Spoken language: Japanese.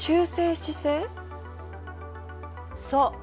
そう。